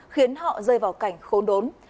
khiến họ rơi vào cảnh khốn đốn